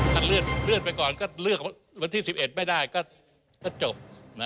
ขัดเลือกไปก่อนของเวลาที่๑๑ไม่ได้ก็จบ